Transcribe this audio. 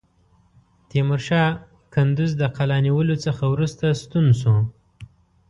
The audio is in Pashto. تیمورشاه کندوز د قلا نیولو څخه وروسته ستون شو.